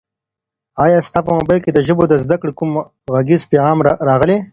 ایا ستا په موبایل کي د ژبو د زده کړې کوم غږیز پیغام راغلی؟